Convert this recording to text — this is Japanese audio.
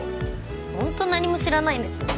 ホント何も知らないんですね